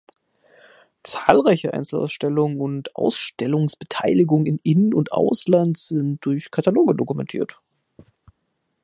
Zahlreiche Einzelausstellungen und Ausstellungsbeteiligungen im In- und Ausland sind durch Kataloge dokumentiert.